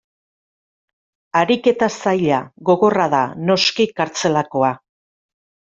Ariketa zaila, gogorra da, noski, kartzelakoa.